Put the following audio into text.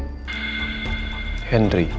saudara henry adalah sepupu dari iqbal